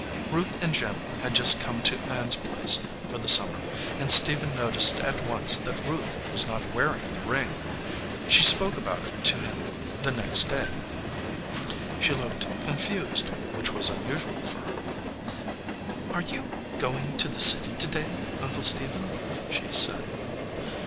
Ruth and Jim had just come to Ann s place for the sum mer, and Stephen noticed at once that Ruth was not wearing the ring. She spoke about it to him 276 RING WITH THE GREEN STONE the next day. She looked confused, which was un usual for her. "Are you going to the city to day, Uncle Stephen?" she said.